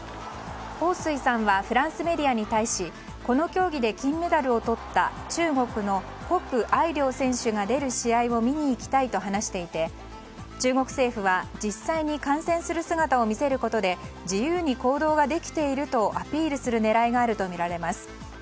ホウ・スイさんはフランスメディアに対しこの競技で金メダルをとった中国のコク・アイリョウ選手が出る試合を見に行きたいと話していて中国政府は実際に観戦する姿を見せることで自由に行動ができているとアピールする狙いがあるとみられます。